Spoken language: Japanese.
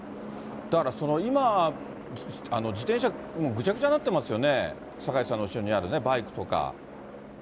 だからその今、自転車もうぐちゃぐちゃになってますよね、酒井さんの後ろにあるバイクとか。